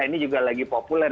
ini juga lagi populer